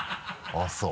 あぁそう？